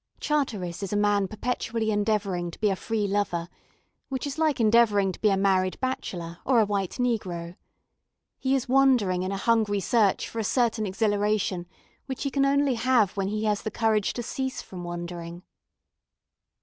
Charteris is a man perpetually endeavouring to be a free lover, which is like endeavouring to be a married bachelor or a white negro. He is wandering in a hungry search for a certain exhilaration which he can only have when he has the courage to cease from wandering.